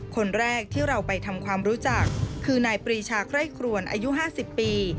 คนแรกที่เราไปทำความรู้จักคือนายปรีชาไคร่ครวนอายุ๕๐ปี